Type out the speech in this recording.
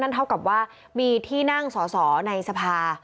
เท่ากับว่ามีที่นั่งสอสอในสภา